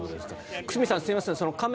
久須美さん、すいません